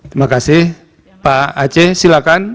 terima kasih pak aceh silakan